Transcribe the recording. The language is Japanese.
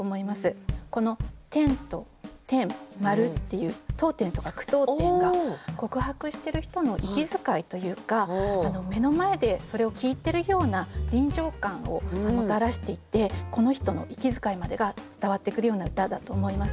いう読点とか句読点が告白してる人の息遣いというか目の前でそれを聞いてるような臨場感をもたらしていてこの人の息遣いまでが伝わってくるような歌だと思います。